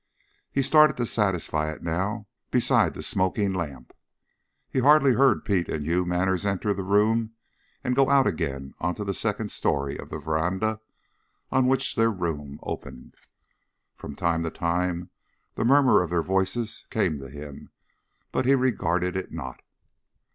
He started to satisfy it now beside the smoking lamp. He hardly heard Pete and Hugh Manners enter the room and go out again onto the second story of the veranda on which their room opened. From time to time the murmur of their voices came to him, but he regarded it not.